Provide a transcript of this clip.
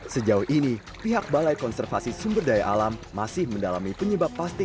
sejauh ini pihak balai konservasi sumber daya alam masih mendalami penyebab pasti